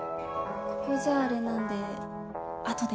ここじゃあれなんで後で。